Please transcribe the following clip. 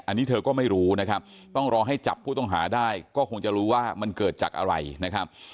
อันนี้เธอก็ไม่รู้นะครับต้องรอให้จับผู้ต้องหาได้ก็คงจะรู้ว่ามันเกิดจากอะไรนะครับ